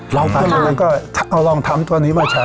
ลองก้อนลงแล้วนั้นก็ทรัพย์ลองทำตัวนี้มาใช้